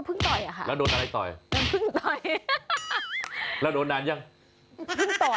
พึ่งมันต่อยกวนใจร่วงนี่